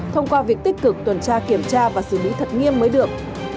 thông qua việc tích cực tuần tra kiểm tra và xử lý thật nghiêm mới được